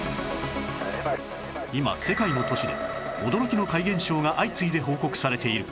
今世界の都市で驚きの怪現象が相次いで報告されている